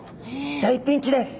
大ピンチです。